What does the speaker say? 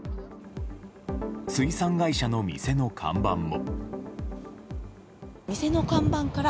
水産会社の店の看板も。